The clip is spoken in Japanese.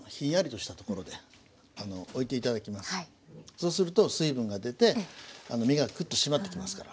そうすると水分が出て身がクッとしまってきますから。